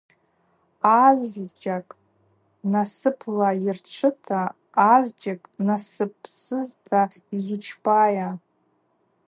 Азджьакӏ насыпла йырчвыта, азджьакӏ насыпсызта йзучпайа?